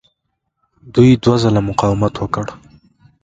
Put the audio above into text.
دوی دوه ځله مقاومت وکړ.